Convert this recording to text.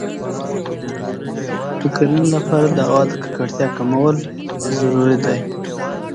د کرنې لپاره د هوا د ککړتیا کمول ضروري دی.